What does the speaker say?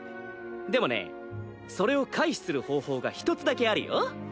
でもねそれを回避する方法が一つだけあるよ。